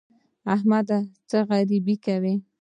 احمده! څه غريبي کوې؟